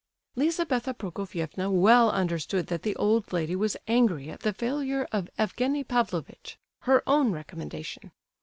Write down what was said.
Lizabetha Prokofievna well understood that the old lady was angry at the failure of Evgenie Pavlovitch—her own recommendation.